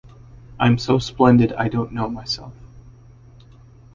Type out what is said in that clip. I'm so splendid I don't know myself.